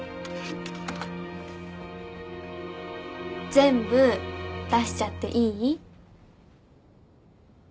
全部出しちゃっていい？